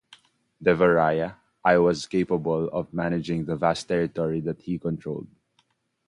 Deva Raya I was capable of managing the vast territory that he controlled.